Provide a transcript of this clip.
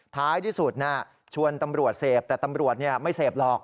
ท้ายที่สุดชวนตำรวจเสพแต่ตำรวจไม่เสพหรอก